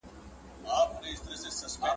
استازي ولي نړیوالي اړیکي پراخوي؟